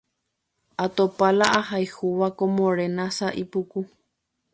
atopa la ahayhúva ko morena sái puku